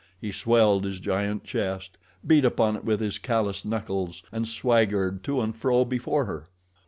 He swelled his giant chest, beat upon it with his calloused knuckles and swaggered to and fro before her.